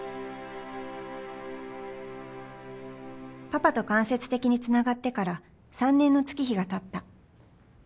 パパと間接的につながってから３年の月日がたった